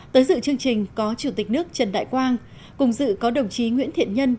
tới dự chương trình có chủ tịch nước trần đại quang cùng dự có đồng chí nguyễn thiện nhân